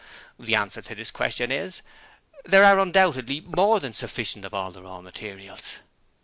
'The answer to this question is There are undoubtedly more than sufficient of all the raw materials.